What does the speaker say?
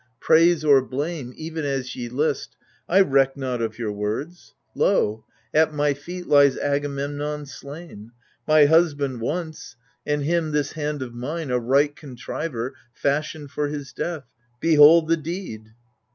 Praise or blame, Even as ye list, — I reck not of your words. Lo I at my feet lies Agamemnon slain. My husband once — and him this hand of mine, A right contriver, fashioned for his death. Behold the deed